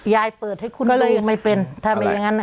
ยายเปิดให้คุณดูไม่เป็นทำไมอย่างนั้น